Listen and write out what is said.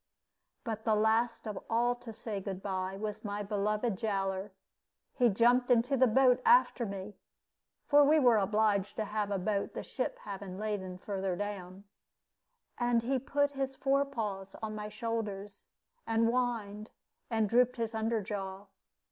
But the last of all to say "good by" was my beloved Jowler. He jumped into the boat after me (for we were obliged to have a boat, the ship having laden further down), and he put his fore paws on my shoulders, and whined and drooped his under jaw.